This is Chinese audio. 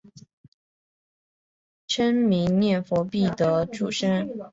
称名念佛必得往生。